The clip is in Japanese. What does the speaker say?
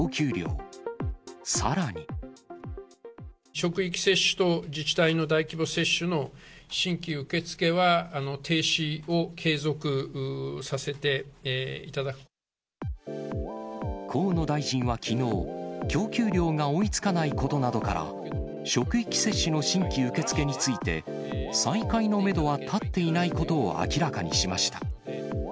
職域接種と自治体の大規模接種の新規受け付けは、河野大臣はきのう、供給量が追いつかないことなどから、職域接種の新規受け付けについて、再開のメドは立っていないことを明らかにしました。